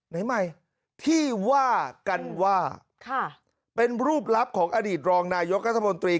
ไหนใหม่ที่ว่ากันว่าเป็นรูปลับของอดีตรองนายกรัฐมนตรี